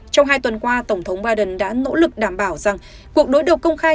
trong hai tuần qua tổng thống biden đã nỗ lực đảm bảo rằng cuộc đối đầu công khai